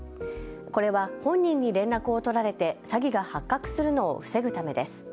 これは本人に連絡を取られて詐欺が発覚するのを防ぐためです。